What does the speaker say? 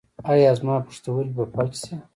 ایا زما پښتورګي به فلج شي؟